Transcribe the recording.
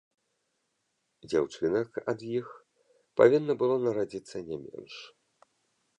Дзяўчынак ад іх павінна было нарадзіцца не менш.